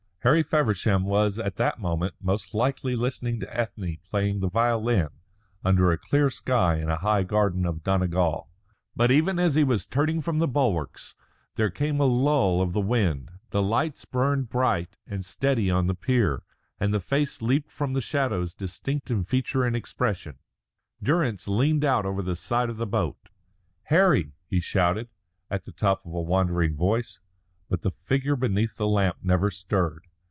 Harry Feversham was at that moment most likely listening to Ethne playing the violin under a clear sky in a high garden of Donegal. But even as he was turning from the bulwarks, there came a lull of the wind, the lights burned bright and steady on the pier, and the face leaped from the shadows distinct in feature and expression. Durrance leaned out over the side of the boat. "Harry!" he shouted, at the top of a wondering voice. But the figure beneath the lamp never stirred.